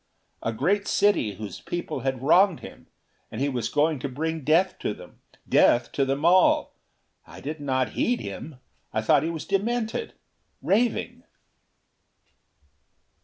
A great city whose people had wronged him; and he was going to bring death to them. Death to them all! I did not heed him. I thought he was demented, raving...."